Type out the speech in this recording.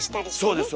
そうです